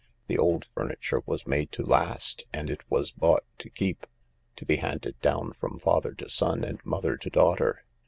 The old furniture was made to last and it was bought to keep — to be handed down from father to son and mother to daughter."